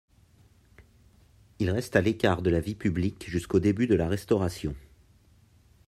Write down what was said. Il reste à l’écart de la vie publique jusqu’au début de la Restauration.